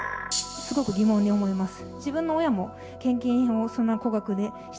すごく疑問に思います。